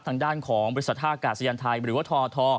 ทางด้านของบริษัทท่ากาศยานไทยหรือว่าทท